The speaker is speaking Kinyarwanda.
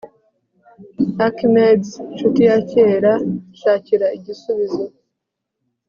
archimedes, nshuti ya kera, nshakira igisubizo